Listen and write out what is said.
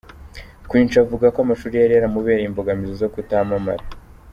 Queen Cha avuga ko amashuri yari yaramubereye imbogamizi zo kutamamara:.